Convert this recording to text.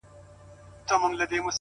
خدايه دا ټـپه مي په وجود كـي ده!